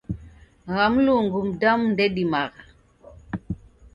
Gha Mlungu mdamu ndedimagha